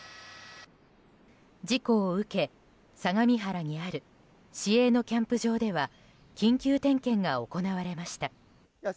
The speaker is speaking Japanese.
事故を受け、相模原にある市営のキャンプ場では緊急点検が行われました。